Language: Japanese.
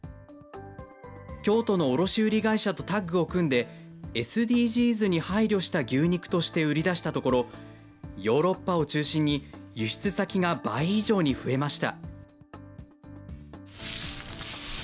京都の卸売り会社とタッグを組んで、ＳＤＧｓに配慮した牛肉として売り出したところ、ヨーロッパを中心に輸出先が倍以上に増えました。